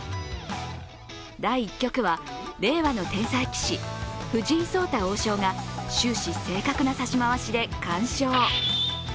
第１局は令和の天才棋士藤井聡太王将が終始正確な指し回しで完勝。